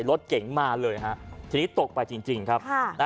รถเก๋งมาเลยฮะทีนี้ตกไปจริงครับ